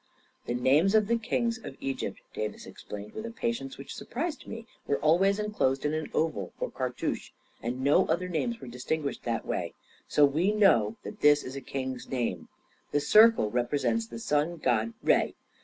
u The names of the kings of Egypt," Davis ex plained, with a patience which surprised me, " were always enclosed in an oval or cartouche, and no other names were distinguished in that way. So we know that this is a king's name. The circle represents the Sun god, Re.